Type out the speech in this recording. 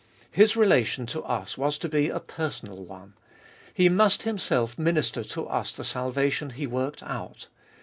His relation to us was to be a personal one. He must Himself minister to us the salvation He worked out.